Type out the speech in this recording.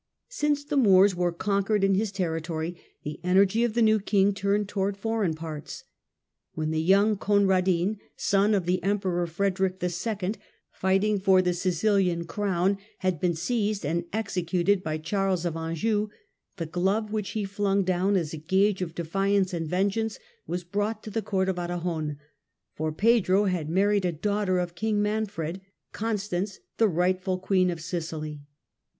Since the Moors were conquered in his territory, the energy of the new King turned towards foreign parts. When the young Conradin, son of the Emperor Freder ick 11., fighting for the Sicilian Crown, had been seized and executed by Charles of Anjou, the glove which he flung down as a gage of defiance and vengeance was brought to the Court of Aragon ; for Pedro had married Claims of a daughter of King Manfred, Constance the rightful fhe^King Quccn of Sicily.